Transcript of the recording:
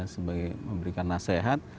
sebagai memberikan nasihat